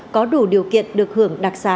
có đủ điều kiện được hưởng đặc sá